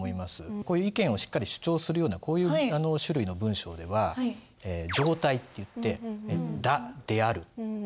こういう意見をしっかり主張するようなこういう種類の文章では常体っていって「だ・である」